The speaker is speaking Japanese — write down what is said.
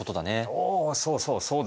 おそうそう！